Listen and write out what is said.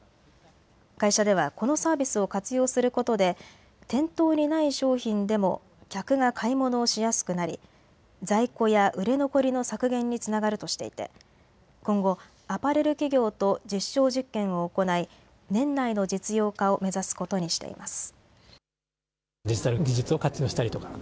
会社ではこのサービスを活用することで店頭にない商品でも客が買い物をしやすくなり在庫や売れ残りの削減につながるとしていて今後アパレル企業と実証実験を行い年内の実用化を目指すことにしています。